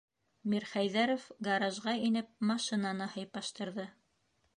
- Мирхәйҙәров, гаражға инеп, машинаны һыйпаштырҙы.